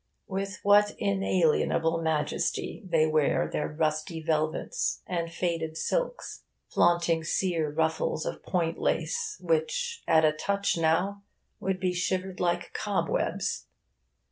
With what inalienable majesty they wear their rusty velvets and faded silks, flaunting sere ruffles of point lace, which at a touch now would be shivered like cobwebs!